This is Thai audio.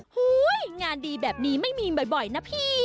งานดีแบบนี้ไม่มีบ่อยนะพี่